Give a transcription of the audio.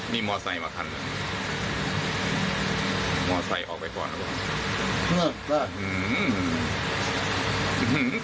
มอเซต์เอาไปก่อนนะครับ